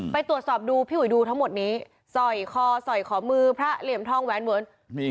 ไปตรวจสอบดูพี่อุ๋ยดูทั้งหมดนี้สอยคอสอยขอมือพระเหลี่ยมทองแหวนเวิร์น